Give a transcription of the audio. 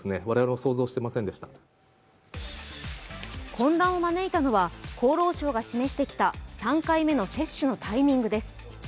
混乱を招いたのは、厚労省が示してきた３回目の接種のタイミングです。